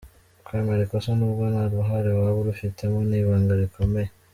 Kwemera ikosa nubwo nta ruhare waba urifitemo ni ibanga rikomeye.